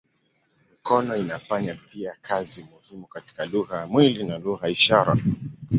Mikono inafanya pia kazi muhimu katika lugha ya mwili na lugha ya ishara.